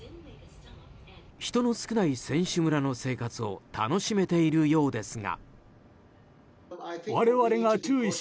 人の少ない選手村の生活を楽しめているようですが。